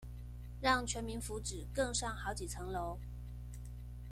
讓全民福祉更上好幾層樓